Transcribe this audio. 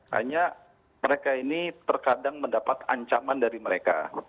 hanya mereka ini terkadang mendapat ancaman dari mereka